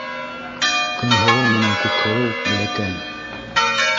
Көнһылыу менән Күкһылыу бәләкәй.